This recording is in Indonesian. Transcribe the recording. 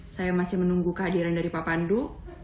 saya masih menunggu kehadiran dari pak pandu